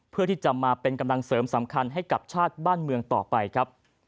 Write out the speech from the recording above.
เพื่อที่จะมาเป็นกำลังเสริมสำคัญให้กับชาติบ้านเมืองต่อไปครับ